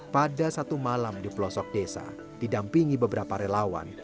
pada satu malam di pelosok desa didampingi beberapa relawan